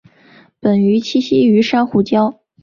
本鱼栖息于珊瑚礁。